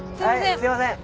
すいません。